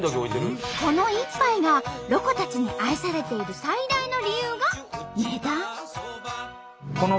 この１杯がロコたちに愛されている最大の理由が値段。